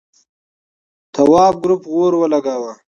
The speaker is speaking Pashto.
تواب گروپ ور ولگاوه.